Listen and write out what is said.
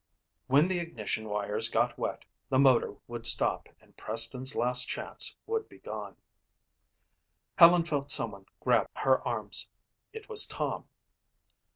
When the ignition wires got wet the motor would stop and Preston's last chance would be gone. Helen felt someone grab her arms. It was Tom.